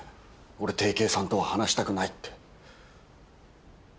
俺定型さんとは話したくないって。